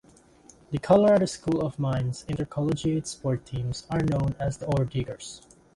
The Colorado School of Mines' intercollegiate sports teams are known as the Orediggers.